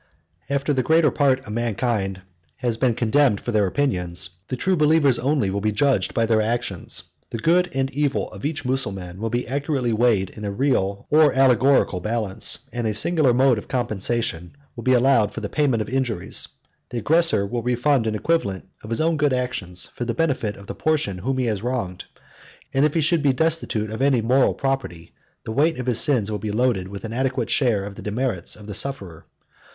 After the greater part of mankind has been condemned for their opinions, the true believers only will be judged by their actions. The good and evil of each Mussulman will be accurately weighed in a real or allegorical balance; and a singular mode of compensation will be allowed for the payment of injuries: the aggressor will refund an equivalent of his own good actions, for the benefit of the person whom he has wronged; and if he should be destitute of any moral property, the weight of his sins will be loaded with an adequate share of the demerits of the sufferer.